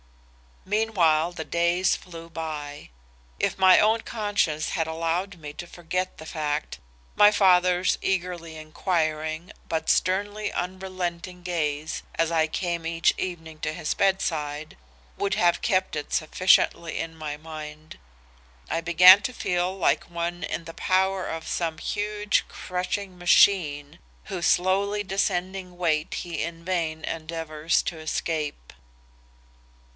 "Meanwhile the days flew by. If my own conscience had allowed me to forget the fact, my father's eagerly inquiring, but sternly unrelenting gaze as I came each evening to his bedside, would have kept it sufficiently in my mind. I began to feel like one in the power of some huge crushing machine whose slowly descending weight he in vain endeavors to escape.